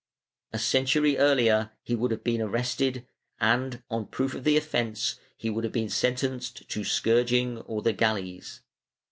A century earlier he would have been arrested and, on proof of the offence, he would have been sentenced to scourging or the galleys.